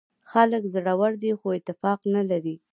خلک زړور دي خو اتفاق نه لري.